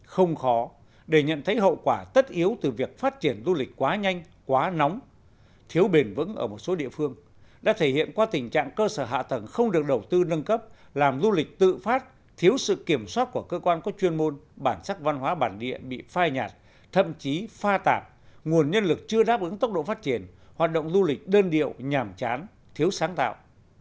không khó để nhận thấy hậu quả tất yếu từ việc phát triển du lịch quá nhanh quá nóng thiếu bền vững ở một số địa phương đã thể hiện qua tình trạng cơ sở hạ tầng không được đầu tư nâng cấp làm du lịch tự phát thiếu sự kiểm soát của cơ quan có chuyên môn bản sắc văn hóa bản địa bị phai nhạt thậm chí pha tạp nguồn nhân lực chưa đáp ứng tốc độ phát triển hoạt động du lịch đơn điệu nhàm chán thiếu sáng tạo